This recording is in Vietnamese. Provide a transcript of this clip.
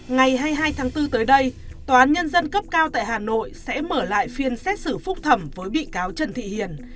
ngày hai mươi hai tháng bốn tới đây tòa án nhân dân cấp cao tại hà nội sẽ mở lại phiên xét xử phúc thẩm với bị cáo trần thị hiền